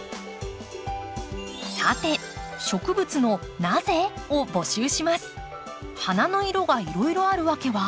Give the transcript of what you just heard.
さて植物の「なぜ？」を募集します。